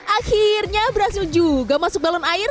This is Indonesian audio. akhirnya berhasil juga masuk balon air